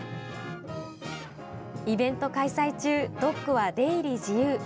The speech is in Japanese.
イベント開催中ドックは出入り自由。